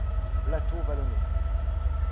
Plateau vallonné.